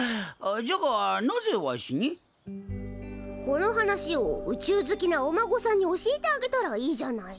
この話を宇宙好きなお孫さんに教えてあげたらいいじゃない。